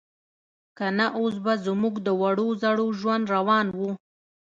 که نه اوس به زموږ د وړو زړو ژوند روان و.